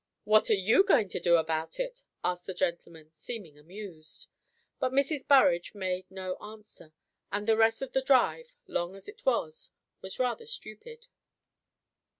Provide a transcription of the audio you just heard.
"What are you going to do about it?" asked the gentleman, seeming amused. But Mrs. Burrage made no answer, and the rest of the drive, long as it was, was rather stupid.